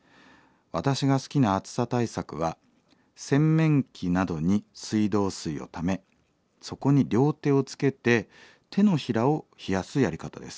私が好きな暑さ対策は洗面器などに水道水をためそこに両手をつけて手のひらを冷やすやり方です」。